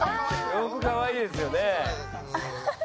洋服かわいいですよね。